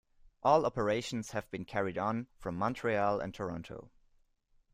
All operations have been carried on from Montreal and Toronto.